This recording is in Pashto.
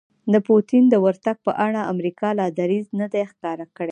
د پوتین د ورتګ په اړه امریکا لا دریځ نه دی ښکاره کړی